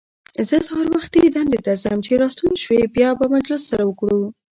زه سهار وختي دندې ته ځم، چې راستون شوې بیا به مجلس سره وکړو.